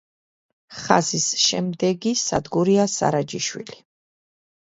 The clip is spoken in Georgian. ხაზის შემდეგი სადგურია სარაჯიშვილი.